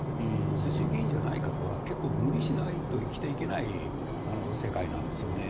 世襲議員じゃない方は無理しないと生きていけない世界なんですよね。